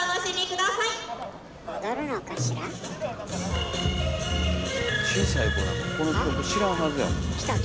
小さい子なんかこの曲知らんはずやもん。